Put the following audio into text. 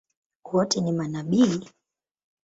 Wote ni manabii?